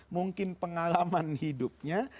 mungkin pengalaman hidupnya